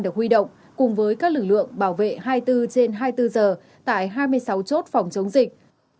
được huy động cùng với các lực lượng bảo vệ hai mươi bốn trên hai mươi bốn giờ tại hai mươi sáu chốt phòng chống dịch